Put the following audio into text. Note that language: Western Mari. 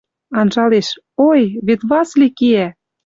Анжалеш: Ой! Вет Васли киӓ!